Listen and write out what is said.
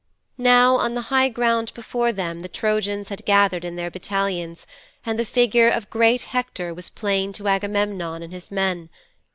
'Now on the high ground before them the Trojans had gathered in their battalions and the figure of great Hector was plain to Agamemnon and his men.